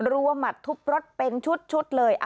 รัวหมัดทุบรถเป็นชุดเลย